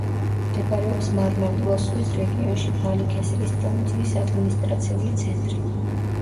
მდებარეობს მარმარილოს ზღვის რეგიონში, ბალიქესირის პროვინციის ადმინისტრაციული ცენტრი.